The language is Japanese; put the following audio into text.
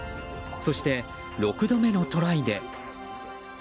そして、６度目のトライで。